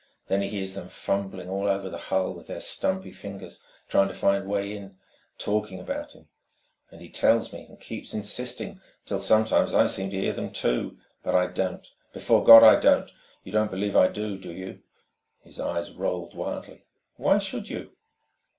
Then he hears them fumbling all over the hull with their stumpy fingers, trying to find 'way in, talking about him. And he tells me, and keeps insisting, till sometimes I seem to hear them, too. But I don't. Before God, I don't! You don't believe I do, do you?" His eyes rolled wildly. "Why should you?"